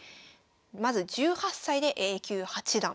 まず「１８歳でＡ級八段」。